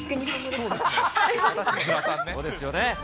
それ、そうですよね。